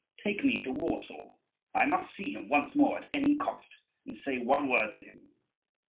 Take me to Warsaw. I must see him once more at any cost, and say one word to him."